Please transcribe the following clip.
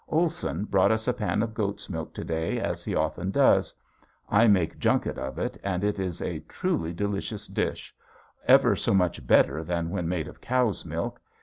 Olson brought us a pan of goat's milk to day, as he often does. I make junket of it and it is a truly delicious dish, ever so much better than when made of cow's milk.